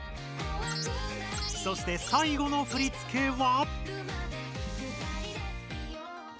そして最後の振付は。